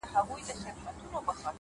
خو دې به سمعې څو دانې بلــــي كړې _